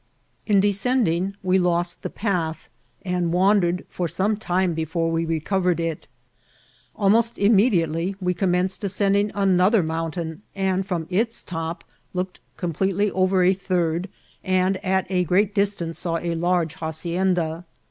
In descending we lost the path, and wandered for some time before we recovered it. Almost immediate ly we commenced ascending another mountain, and from its top looked completely over a third, and, at a great distance, saw a large hacienda.